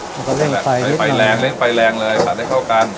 แล้วก็เร่งไฟนิดหน่อยเร่งไฟแรงเร่งไฟแรงเลยผัดได้เข้ากัน